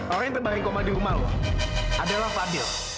orang yang terbari koma di rumah lu adalah fadil